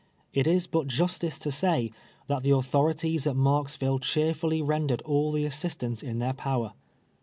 It is but justice to say, that the authori ties at Marksvillo cheerfully rendered all the assist ance in their power.